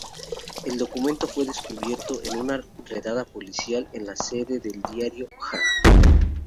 El documento fue descubierto en una redada policial en la sede del diario Jag.